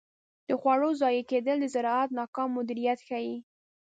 د خوړو ضایع کیدل د زراعت ناکام مدیریت ښيي.